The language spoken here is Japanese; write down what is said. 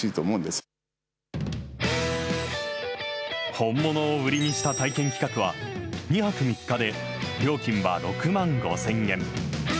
本物を売りにした体験企画は、２泊３日で料金は６万５０００円。